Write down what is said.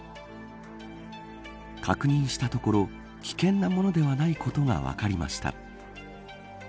確認したところ危険なものではないことが分かりました。